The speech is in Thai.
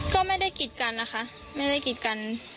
ก็ไม่ได้กิดกันนะคะไม่ได้กิดกัน